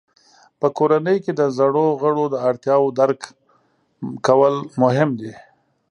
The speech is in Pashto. په کورنۍ کې د زړو غړو د اړتیاوو درک کول مهم دي.